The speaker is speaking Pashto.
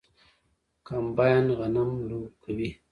کمباین غنم لو کوي.